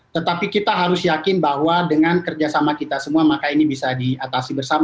tetapi kita harus yakin bahwa dengan kerjasama kita semua maka ini bisa diatasi bersama